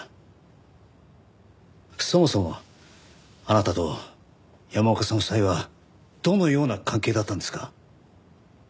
そもそもあなたと山岡さん夫妻はどのような関係だったんですか？